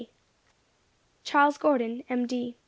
"CHARLES GORDON, M.